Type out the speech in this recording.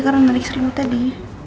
karena menarik seri lu tadi